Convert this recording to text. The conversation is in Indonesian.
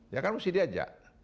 ya kan mesti diajak